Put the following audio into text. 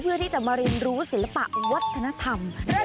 เพื่อที่จะมาเรียนรู้ศิลปะวัดขนาดที่นี่